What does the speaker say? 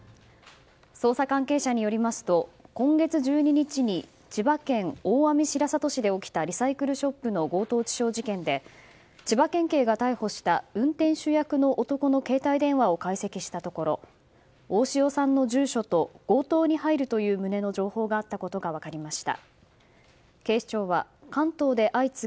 捜査関係者によりますと今月１２日に千葉県大網白里市で起きたリサイクルショップの強盗致傷事件で千葉県警が逮捕した運転手役の男の携帯電話を解析したところ大塩さんの住所と強盗に入るという旨の情報があったことが分かりました。